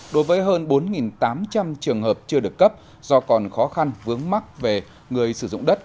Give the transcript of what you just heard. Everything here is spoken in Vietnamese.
đối với hơn bốn tám trăm linh trường hợp chưa được cấp do còn khó khăn vướng mắt về người sử dụng đất